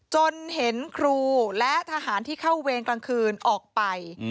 จนเห็นครูและทหารที่เข้าเวรกลางคืนออกไป